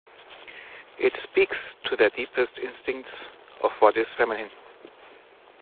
It speaks to their deepest instincts of what is feminine.